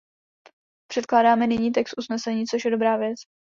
Předkládáme nyní text usnesení, což je dobrá věc.